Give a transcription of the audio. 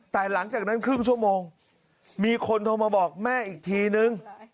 แต่หลังจากนั้นครึ่งชั่วโมงมีคนโทรมาบอกแม่อีกทีนึง